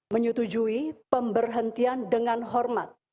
menyetujui pemberhentian dengan hormat